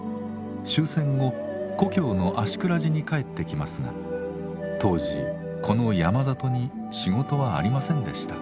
終戦後故郷の芦峅寺に帰ってきますが当時この山里に仕事はありませんでした。